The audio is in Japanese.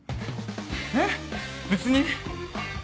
えっ別に。